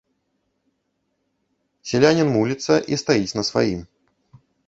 Селянін муліцца і стаіць на сваім.